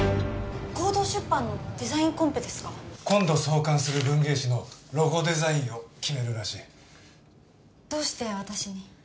光堂出版のデザインコンペですか今度創刊する文芸誌のロゴデザインを決めるらしいどうして私に？